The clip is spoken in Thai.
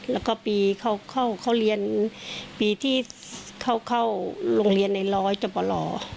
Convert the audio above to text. แล้วก็ปีเขาเรียนปีที่เข้าโรงเรียนในร้อยจบหล่อ